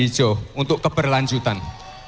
hijau untuk keperlanjutan